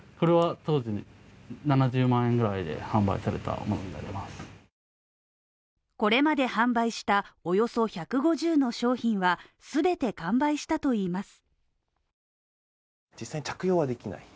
他にもこれまで販売したおよそ１５０の商品は全て完売したといいます。